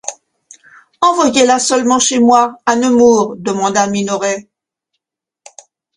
Envoyez-la seulement chez moi, à Nemours, demanda Minoret.